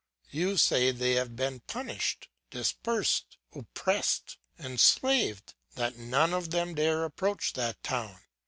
You say they have been punished, dispersed, oppressed, enslaved; that none of them dare approach that town.